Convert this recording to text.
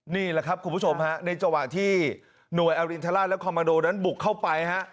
นี่แหละครับคุณผู้ชมฮะในจังหวะที่หน่วยอรินทราชและคอมมาโดนั้นบุกเข้าไปฮะ